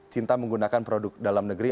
cinta menggunakan produk dalam negeri